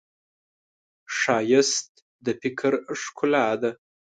ښایست د فکر ښکلا ده